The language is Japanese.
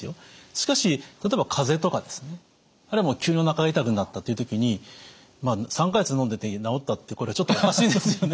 しかし例えば風邪とかですねあるいは急におなかが痛くなったという時に３か月のんでて治ったってこれちょっとおかしいですよね。